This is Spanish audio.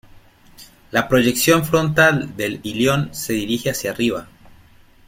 La proyección frontal del ilion se dirige hacia arriba.